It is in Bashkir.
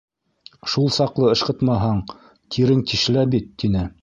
«Шул саҡлы ышҡытмаһаң, тирең тишелә бит!» - тине.